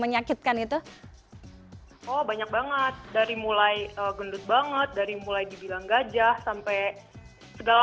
menyakitkan itu oh banyak banget dari mulai gendut banget dari mulai dibilang gajah sampai segala